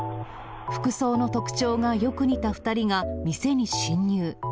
服装の特徴がよく似た２人が店に侵入。